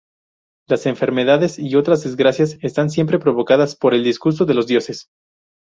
Las enfermedades y otras desgracias están siempre provocadas por el disgusto de los dioses.